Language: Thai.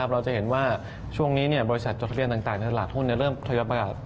เราจะเห็นว่าช่วงนี้บริษัทจดทะเบียนต่างในตลาดหุ้นเริ่มทยอยประกาศ